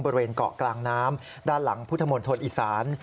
บริเวณเกาะกลางน้ำด้านหลังพุทธมณฑลอีสาน